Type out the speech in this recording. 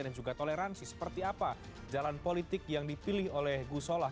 dan juga toleransi seperti apa jalan politik yang dipilih oleh gu solah